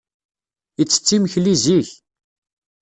Yettett imekli zik.